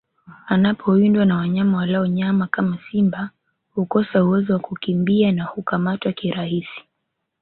Anapowindwa na wanyama walao nyama kama simba hukosa uwezo wa kukimbia na hukamatwa kirahisi